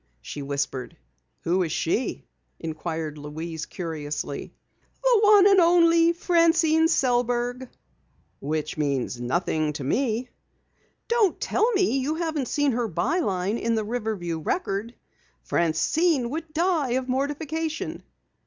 she whispered. "Who is she?" inquired Louise curiously. "The one and only Francine Sellberg." "Which means nothing to me." "Don't tell me you haven't seen her by line in the Riverview Record! Francine would die of mortification."